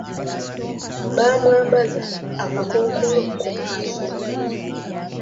Baamwambazza akakookolo ku maaso.